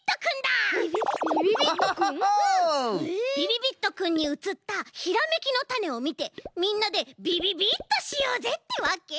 びびびっとくんにうつったひらめきのタネをみてみんなでびびびっとしようぜってわけ！